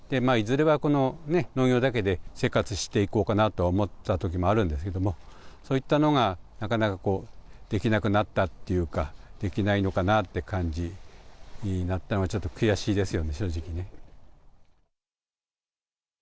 いずれはこのね、農業だけで生活していこうかなと思っていたときもあるんですけれども、そういったのが、なかなかできなくなったっていうか、できないのかなという感じになったのは、ちょっと悔しいですよね、正直ね。